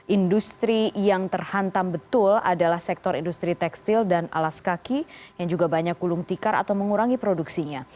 industri yang terhantam betul adalah sektor industri tekstil dan alas kaki yang juga banyak gulung tikar atau mengurangi produksinya